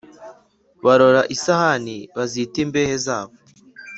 Barora isahani, bazita imbehe zabo;